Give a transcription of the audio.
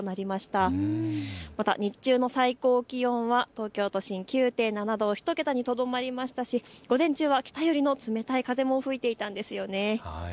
また日中の最高気温は東京都心、９．７度と１桁にとどまりましたし午前中は北寄りの冷たい風も吹いていたんですよね。